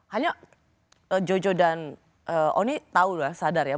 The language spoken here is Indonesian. hanya jojo dan oni tahu lah sadar ya